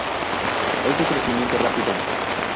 Es de crecimiento rápido.